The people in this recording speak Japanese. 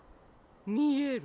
みえる。